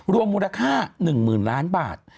รวมมูลค่า๑๐๐๐ล้านบาท